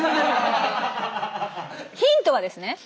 ヒントはですね